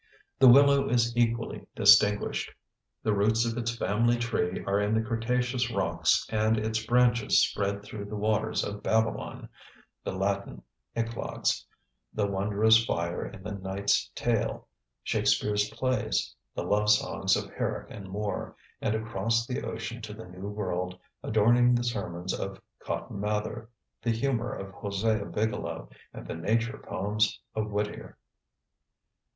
The willow is equally distinguished. The roots of its "family tree" are in the cretaceous rocks and its branches spread through the waters of Babylon, the Latin eclogues, the wondrous fire in the Knightes' Tale, Shakespeare's plays, the love songs of Herrick and Moore, and across the ocean to the New World, adorning the sermons of Cotton Mather, the humor of Hosea Bigelow, and the nature poems of Whittier.